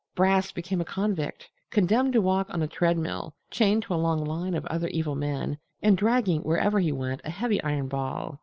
Brass became a convict, condemned to walk on a treadmill, chained to a long line of other evil men, and dragging wherever he went a heavy iron ball.